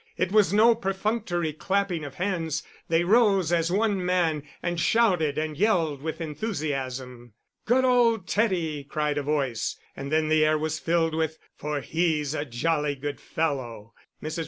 It was no perfunctory clapping of hands; they rose as one man, and shouted and yelled with enthusiasm. "Good old Teddy," cried a voice. And then the air was filled with: For he's a jolly good fellow. Mrs.